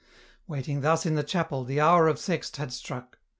Waiting thus in the chapel, the hour of Sext had struck.